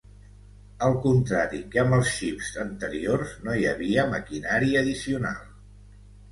Al contrari que amb els xips anteriors, no hi havia maquinari addicional.